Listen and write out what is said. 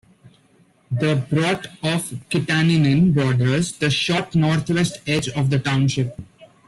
The borough of Kittanning borders the short northwest edge of the township.